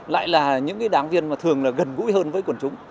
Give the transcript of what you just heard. lại là những đảng viên thường gần gũi hơn với quần chúng